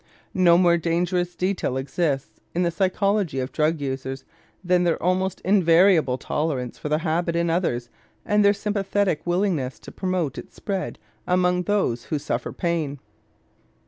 No more dangerous detail exists in the psychology of drug users than their almost invariable tolerance for the habit in others and their sympathetic willingness to promote its spread among those who suffer pain.